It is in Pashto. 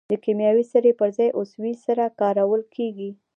د کیمیاوي سرې پر ځای عضوي سره کارول کیږي.